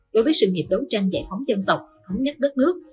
đối với sự nghiệp đấu tranh giải phóng dân tộc thống nhất đất nước